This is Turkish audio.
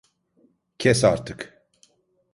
Kes artık!